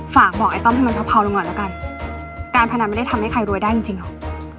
ฝากบอกไอ้ต้อมให้มันเผาลงหน่อยแล้วกันการพนันไม่ได้ทำให้ใครรวยได้จริงจริงหรอ